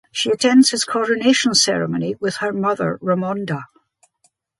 She attends his coronation ceremony with her mother Ramonda.